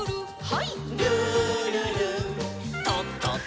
はい。